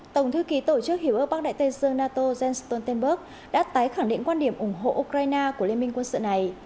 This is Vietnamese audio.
tổng thư ký tổ chức hiểu ước bắc đại tây dương nato jens stoltenberg đã tái khẳng định quan điểm ủng hộ ukraine của liên minh quân sự này